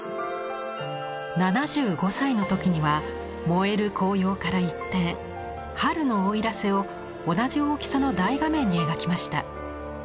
７５歳の時には燃える紅葉から一転春の奥入瀬を同じ大きさの大画面に描きました。